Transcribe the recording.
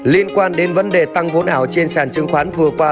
liên quan đến vấn đề tăng vốn ảo trên sàn chứng khoán vừa qua